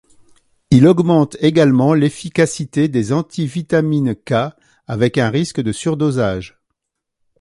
Il augmente également l'efficacité des antivitamines K avec un risque de surdosage.